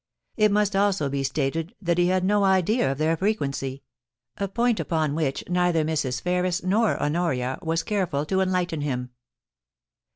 It must also be stated that he had no idea of their frequency — a point upon which neither Mrs. Ferris nor Honoria was careful to enlighten him.